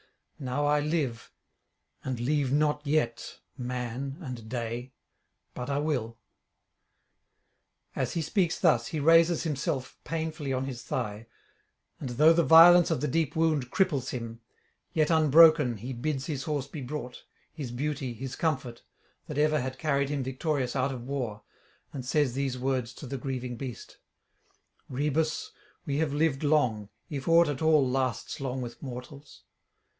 Now I live, and leave not yet man and day; but I will.' As he speaks thus he raises himself painfully on his thigh, and though the violence of the deep wound cripples him, yet unbroken he bids his horse be brought, his beauty, his comfort, that ever had carried him victorious out of war, and says these words to the grieving beast: 'Rhoebus, we have lived long, if aught at all lasts long with mortals.